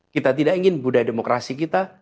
kita tidak ingin budaya demokrasi kita